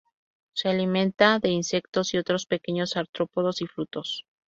Se alimenta de insectos y otros pequeños artrópodos y frutos.